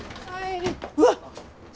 はい